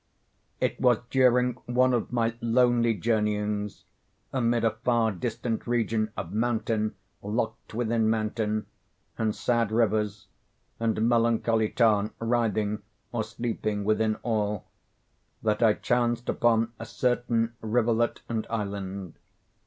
It was during one of my lonely journeyings, amid a far distant region of mountain locked within mountain, and sad rivers and melancholy tarn writhing or sleeping within all—that I chanced upon a certain rivulet and island.